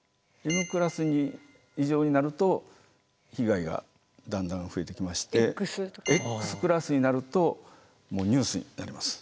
Ｍクラス以上になると被害がだんだん増えてきましてＸクラスになるともうニュースになります。